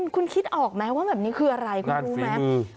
คุณคิดออกไหมว่าแบบนี้คืออะไรคุณรู้ไหม